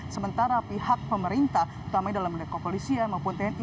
sementara pihak pemerintah terutama dalam melihat kepolisian maupun tni